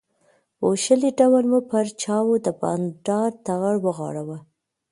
بوشلې ډول مو پر چایو د بانډار ټغر وغوړاوه.